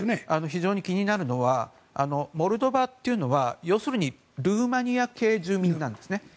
非常に気になるのはモルドバというのは要するにルーマニア系住民なんですね。